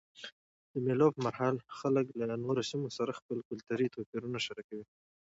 د مېلو پر مهال خلک له نورو سیمو سره خپل کلتوري توپیرونه شریکوي.